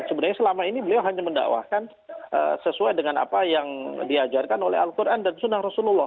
sebenarnya selama ini beliau hanya mendakwahkan sesuai dengan apa yang diajarkan oleh al quran dan sunnah rasulullah